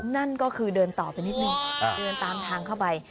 นั่นก็คือเดินต่อไปนิดนึงเดินตามทางเข้าไป